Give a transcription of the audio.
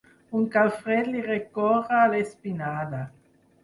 Un calfred li recorre l'espinada.